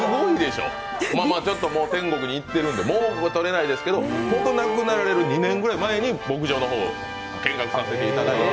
天国に行っているので、もう撮れないですけど、亡くなられる２年ぐらい前に牧場の方を見学させていただいて。